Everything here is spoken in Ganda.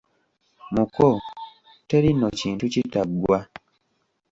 Muko, teri nno kintu kitaggwa.